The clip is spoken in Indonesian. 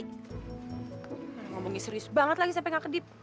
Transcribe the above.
kamu ngomongnya serius banget lagi sampe gak kedip